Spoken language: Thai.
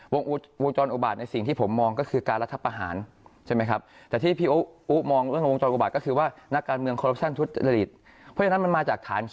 วงจรอุบาทในสิ่งที่ผมมองก็คือการระทับอาหาร